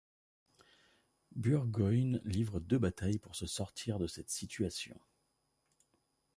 Burgoyne livre deux batailles pour se sortir de cette situation.